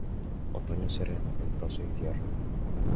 Otoño sereno, ventoso invierno.